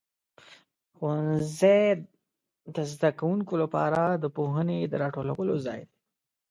ښوونځي د زده کوونکو لپاره د پوهنې د راټولو ځای دی.